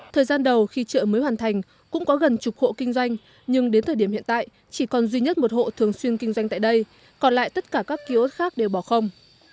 thời gian đầu khi chợ mới hoàn thành cũng có gần chục hộ kinh doanh nhưng đến thời điểm hiện tại chỉ còn duy nhất một hộ thường xuyên kinh doanh tại đây còn lại tất cả các ký ốt khác đều bỏ không